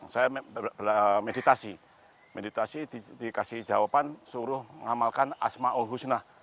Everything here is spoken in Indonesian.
saya meditasi meditasi dikasih jawaban suruh mengamalkan asma'ul husna